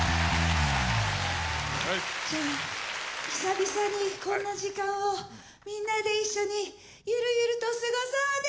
じゃあ久々にこんな時間をみんなで一緒にゆるゆると過ごそうね！